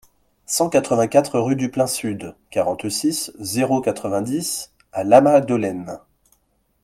cent quatre-vingt-quatre rue du Plein Sud, quarante-six, zéro quatre-vingt-dix à Lamagdelaine